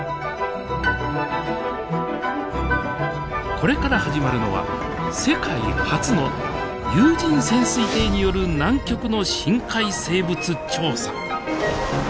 これから始まるのは世界初の有人潜水艇による南極の深海生物調査。